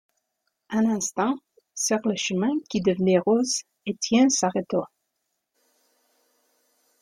Un instant, sur le chemin qui devenait rose, Étienne s’arrêta.